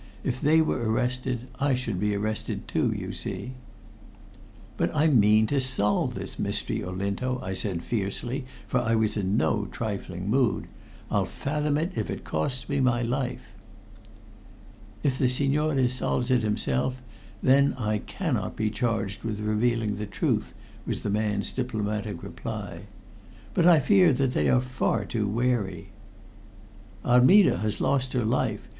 If they were arrested I should be arrested, too, you see." "But I mean to solve this mystery, Olinto," I said fiercely, for I was in no trifling mood. "I'll fathom it if it costs me my life." "If the signore solves it himself, then I cannot be charged with revealing the truth," was the man's diplomatic reply. "But I fear that they are far too wary." "Armida has lost her life.